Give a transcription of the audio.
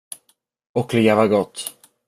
Och leva gott.